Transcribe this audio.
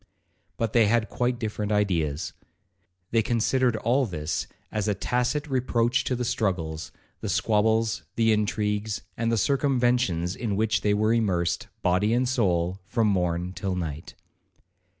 But they had quite different ideas. They considered all this as a tacit reproach to the struggles, the squabbles, the intrigues, and the circumventions, in which they were immersed, body and soul, from morn till night.